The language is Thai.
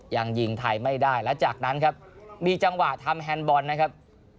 ยังยิงไทยไม่ได้และจากนั้นครับมีจังหวะทำแฮนด์บอลนะครับ